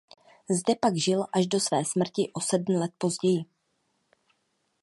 Zde pak žil až do své smrti o sedm let později.